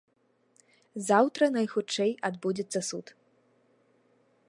Заўтра, найхутчэй, адбудзецца суд.